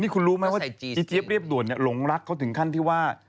คุณรู้ไหมว่าอีเจี๊ยบเรียบด่วนหลงรักเขาถึงขั้นที่ว่า